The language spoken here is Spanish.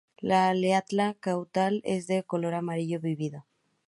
La aleta caudal es de un color amarillo vívido.